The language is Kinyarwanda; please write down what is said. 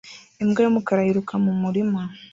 Imbwa y'umukara yiruka mu murima